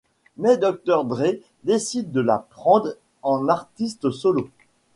Mais Dr Dre décide de la prendre en artiste solo.